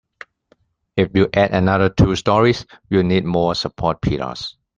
If you add another two storeys, you'll need more support pillars.